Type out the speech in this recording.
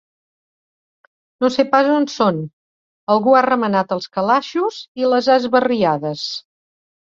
No sé pas on són: algú ha remenat els calaixos i les ha esbarriades.